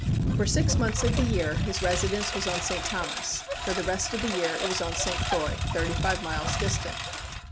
For six months of the year his residence was on St. Thomas; for the rest of the year it was on St. Croix, thirty five miles distant.